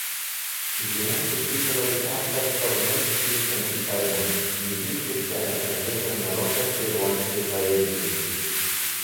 Ему приписывали авторство многих песен и поэм, явившихся отражением народной ирландской поэзии.